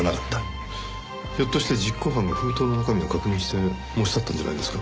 ひょっとして実行犯が封筒の中身を確認して持ち去ったんじゃないんですか？